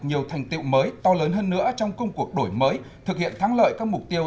nhiều thành tiệu mới to lớn hơn nữa trong công cuộc đổi mới thực hiện thắng lợi các mục tiêu